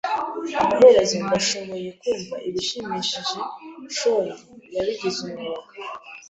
Amaherezo ndashoboye kumva ibishimishije shogi yabigize umwuga.